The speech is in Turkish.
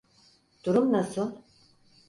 Durum nasıl?